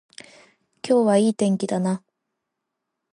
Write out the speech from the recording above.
今日はいい天気だな